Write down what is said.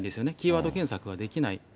キーワード検索ができない。